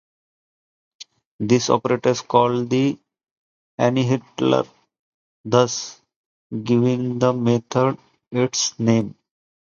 This operator is called the annihilator, thus giving the method its name.